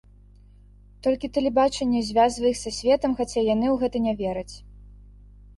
Толькі тэлебачанне звязвае іх са светам, хаця і яны ў гэта не вераць.